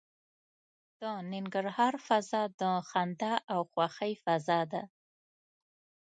د ننګرهار فضا د خندا او خوښۍ فضا ده.